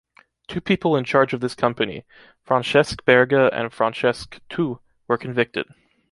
Two people in charge of this company, Francesc Berga and Francesc Tous, were convicted.